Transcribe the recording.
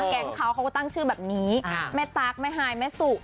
แก๊งเขาเขาก็ตั้งชื่อแบบนี้แม่ตั๊กแม่ฮายแม่สุ